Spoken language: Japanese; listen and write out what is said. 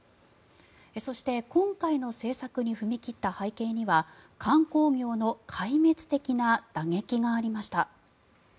そして、今回の政策に踏み切った背景には観光業の壊滅的な打撃がありました。